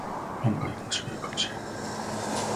案外オモシロイかもしれん